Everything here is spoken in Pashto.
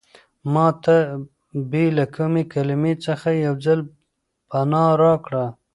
ما ته بې له کومې کلمې څخه یو ځل پناه راکړه.